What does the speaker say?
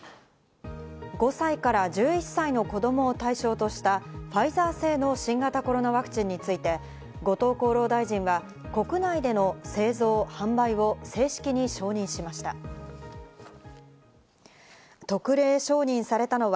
５歳から１１歳の子供対象としたファイザー製の新型コロナワクチンについて、後藤厚労大臣は国内での製造販売を正式に承認しました。